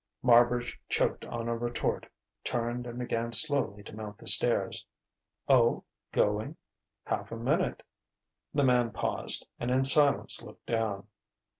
Marbridge choked on a retort, turned and began slowly to mount the stairs. "Oh going? Half a minute." The man paused, and in silence looked down.